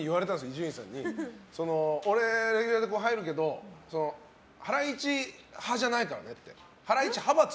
伊集院さんに俺、レギュラーで入るけどハライチ派じゃないからねって。